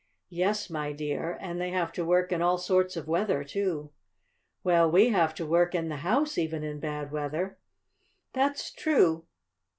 "Yes, my dear, and they have to work in all sorts of weather, too." "Well, we have to work in the house even in bad weather." "That's true.